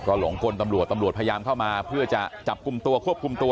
หลงกลตำรวจตำรวจพยายามเข้ามาเพื่อจะจับกลุ่มตัวควบคุมตัว